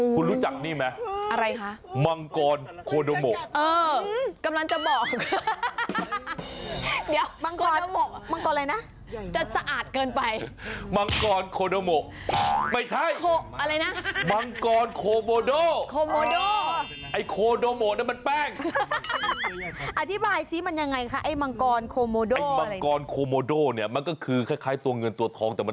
คุณรู้จักนี่ไหมมังกรโคโดโมะนะฮะ